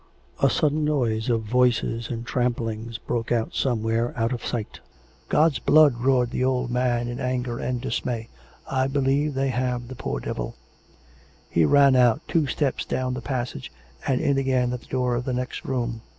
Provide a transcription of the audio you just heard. A sudden noise of voices and tramp lings broke out somewhere out of sight. " God's blood I " roared the old man in anger and dis may. " I believe they have the poor devil !" He ran out, two steps down the passage and in again at the door of the next room.